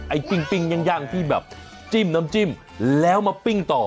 ปิ้งย่างที่แบบจิ้มน้ำจิ้มแล้วมาปิ้งต่อ